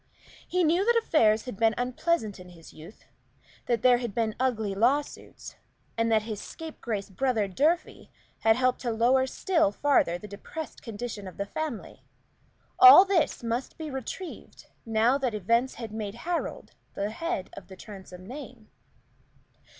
He knew that affairs had been unpleasant in his youth that there had been ugly lawsuits and that his scapegrace brother Durfey had helped to lower still farther the depressed condition of the family. All this must be retrieved, now that events had made Harold the head of the Transome name.